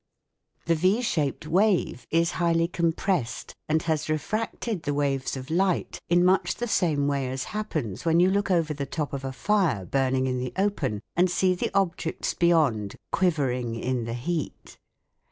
The V shaped wave is highly compressed and has refracted the waves of light in much the same way as happens when you look over the top of a fire burning in the open and see the objects beyond " quivering in the heat."